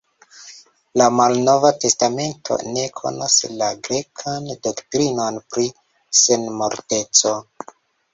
La Malnova Testamento ne konas la grekan doktrinon pri senmorteco.